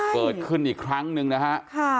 เกิดขึ้นอีกครั้งหนึ่งนะฮะ